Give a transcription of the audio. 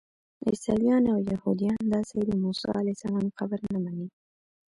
عیسویان او یهودیان دا ځای د موسی علیه السلام قبر نه مني.